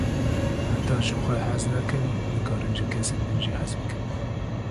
Heta ji xwe hez nekin, nikarin ji kesên din jî hez bikin.